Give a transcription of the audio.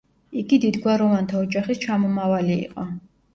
იგი დიდგვაროვანთა ოჯახის ჩამომავალი იყო.